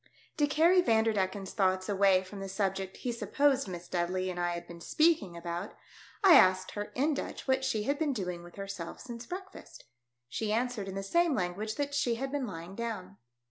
To carry Vanderdecken's thoughts away from the subject he supposed Miss Dudley and I had been speaking about, I asked her in Dutch what she had been doing with her self since breakfast. She answered in the same language that she had been lying down.